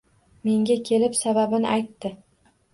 Menga kelib sababin aytdi.